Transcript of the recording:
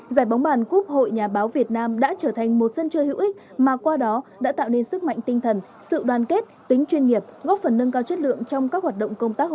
giải bóng bàn cúp hội nhà báo việt nam đã trở thành một sân chơi hữu ích mà qua đó đã tạo nên sức mạnh tinh thần sự đoàn kết tính chuyên nghiệp góp phần nâng cao chất lượng trong các hoạt động công tác hội